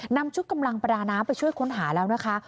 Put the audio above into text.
นำชุดกำลังประดาน้ำไปช่วยค้นหาแล้วนะคะ